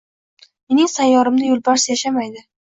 Mening sayyoramda yo'lbars yashamaydi